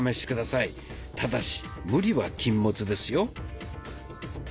ただし無理は禁物ですよ。